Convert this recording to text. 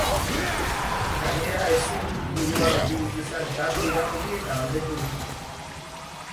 Gainera, ezin dut burua geldirik izan eta asko irakurri eta galdetu dut.